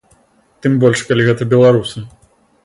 Тым больш калі гэта беларусы.